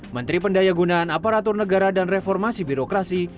menteri pendaya gunaan aparatur negara dan reformasi birokrasi